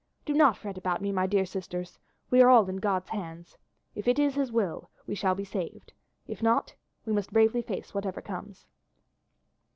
Do not fret about me, my dear sisters, we are all in God's hands. If it is his will, we shall be saved; if not, we must face bravely whatever comes.